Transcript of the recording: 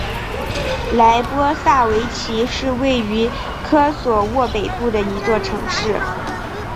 莱波萨维奇是位于科索沃北部的一座城市。